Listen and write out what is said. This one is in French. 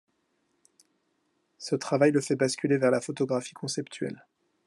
Ce travail le fait basculer vers la photographie conceptuelle.